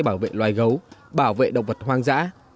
bảo vệ loài gấu bảo vệ động vật hoang dã